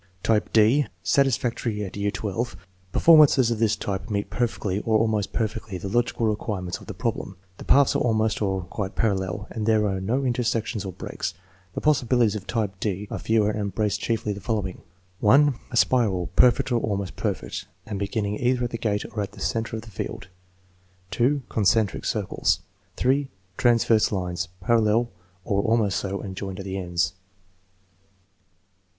Type d (satisfactory at year XII). Performances of this type meet perfectly, or almost perfectly, the logical requirements of the problem. The paths are almost or quite parallel, and there are no intersections or breaks. The possibilities of type d are fewer and embrace chiefly the following: 1. A spiral, perfect or almost perfect, and beginning either at the gate or at the center of the field. 2. Concentric circles. 3. Transverse lines, parallel or almost so, and joined at the ends.